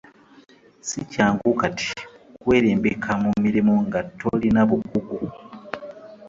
Si kyangu kati kwerimbika mu mirimu nga tolina bukugu.